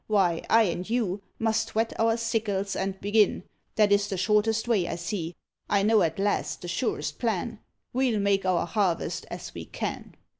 Why, I and you Must whet our sickles and begin; That is the shortest way, I see; I know at last the surest plan: We'll make our harvest as we can."